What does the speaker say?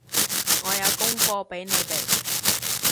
我有功課畀你哋